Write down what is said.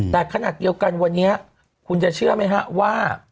แต่ขนาดเดียวกันวันนี้คุณจะเชื่อไหมฮะว่า